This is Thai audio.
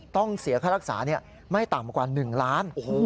ต้องเสียค่ารักษาไม่ต่ำกว่า๑ล้าน